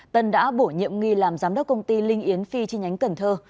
tân đã bổ nhiệm nghi làm giám đốc công ty linh yến phi chi nhánh cần thơ